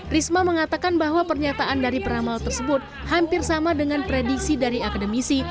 risma mengatakan bahwa pernyataan dari peramal tersebut hampir sama dengan prediksi dari akademisi